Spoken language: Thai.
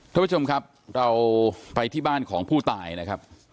ท่านผู้ชมครับเราไปที่บ้านของผู้ตายนะครับ